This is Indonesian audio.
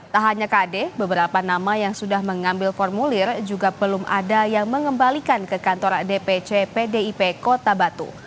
tak hanya kd beberapa nama yang sudah mengambil formulir juga belum ada yang mengembalikan ke kantor dpc pdip kota batu